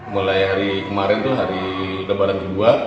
mulai hari kemarin hari kemarin ke dua